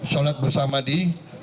solat bersama di